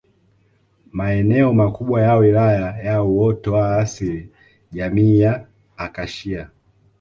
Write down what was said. Maeneo makubwa ya Wilaya ya uoto wa asili jamii ya Akashia